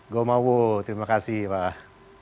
goma wo terima kasih pak